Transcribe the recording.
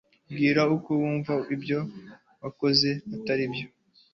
Mbwira ko wumva ko ibyo wakoze atari byo